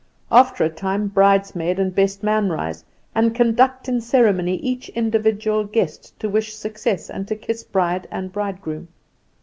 After a time bridesmaid and best man rise, and conduct in with ceremony each individual guest, to wish success and to kiss bride and bridegroom.